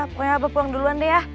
pokoknya abah pulang duluan deh ya